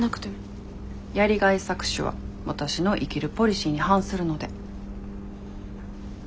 やりがい搾取はわたしの生きるポリシーに反するので。